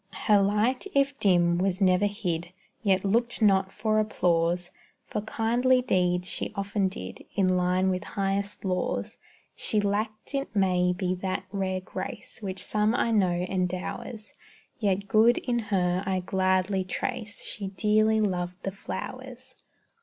Her light, if dim, was never hid, Yet looked not for applause; For kindly deeds she often did, In line with highest laws. She lacked it may be that rare grace Which some I know endowers, Yet good in her I gladly trace _She dearly loved the flowers.